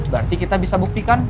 berarti kita bisa buktikan